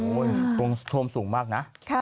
โอ้โฮโทษทวมสูงมากนะ